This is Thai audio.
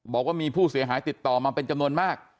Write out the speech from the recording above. บอกว่ามีผู้เสียหายติดต่อมาเป็นจำนวนมาก